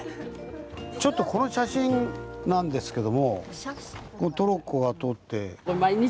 ちょっとこの写真なんですけどもトロッコが通って。